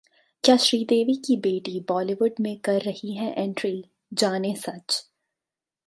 क्या श्रीदेवी की बेटी बॉलीवुड में कर रही हैं एंट्री? जानें सच